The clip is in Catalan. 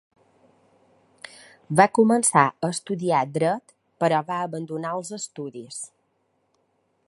Va començar a estudiar dret, però va abandonar els estudis.